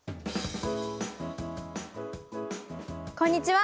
こんにちは！